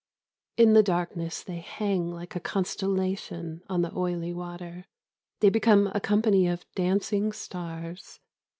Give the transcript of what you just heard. In the darkness they hang like a constellation on the oily water. They become a company of dancing stars.